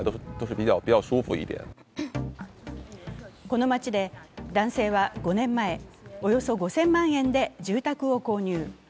この街で男性は５年前、およそ５０００万円で住宅を購入。